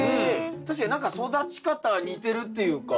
確かに何か育ち方似てるっていうか。